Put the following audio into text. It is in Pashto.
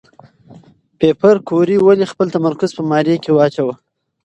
پېیر کوري ولې خپل تمرکز په ماري کې واچاوه؟